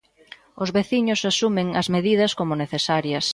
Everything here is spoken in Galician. Os veciños asumen as medidas como necesarias.